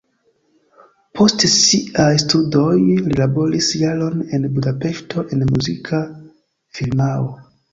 Post siaj studoj li laboris jaron en Budapeŝto en muzika firmao.